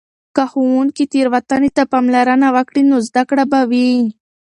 که ښوونکې تیروتنې ته پاملرنه وکړي، نو زده کړه به وي.